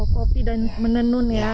kopi dan menenun ya